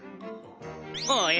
おや？